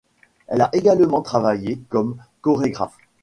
Elle a également travaillé comme chorégraphe.